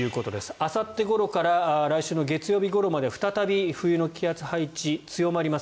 あさってごろから来週月曜日ごろまで再び冬の気圧配置が強まります。